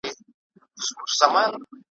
ملنګه ! د رباب ژړي د کله ﺯړه را کنې `